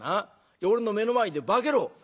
俺の目の前で化けろ！」。